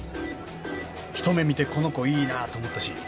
一目見てこの子いいなぁと思ったし。